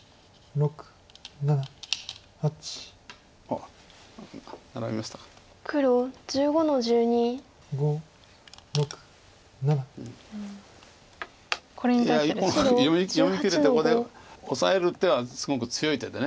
読みきれてここでオサえる手はすごく強い手で。